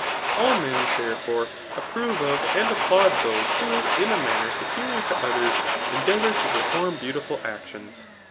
All men, therefore, approve of and applaud those who in a manner superior to others endeavour to perform beautiful actions.